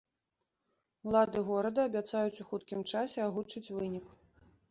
Улады горада абяцаюць у хуткім часе агучыць вынік.